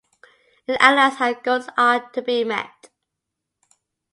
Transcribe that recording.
It outlines how goals are to be met.